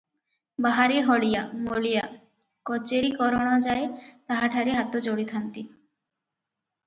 ବାହାରେ ହଳିଆ, ମୂଲିଆ, କଚେରୀ କରଣଯାଏ ତାହା ଠାରେ ହାତ ଯୋଡ଼ିଥାନ୍ତି ।